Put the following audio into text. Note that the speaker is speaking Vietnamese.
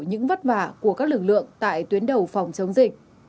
những vất vả của các lực lượng tại tuyến đầu phòng chống dịch